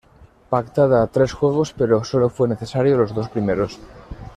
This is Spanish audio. Pactada a tres juegos pero solo fue necesario los dos primeros.